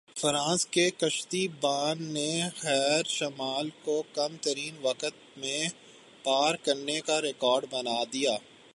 France کے کشتی بان نے بحیرہ شمال کو کم ترین وقت میں پار کرنے کا ریکارڈ بنا دیا